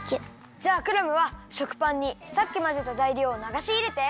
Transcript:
じゃあクラムは食パンにさっきまぜたざいりょうをながしいれて。